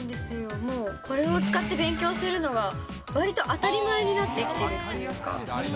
もう、これを使って勉強するのが、わりと当たり前になってきているっていうか。